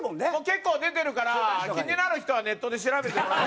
結構出てるから気になる人はネットで調べてもらえば。